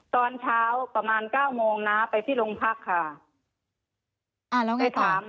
ตอนเช้าประมาณ๙โมงน้าไปที่โรงพักค่ะ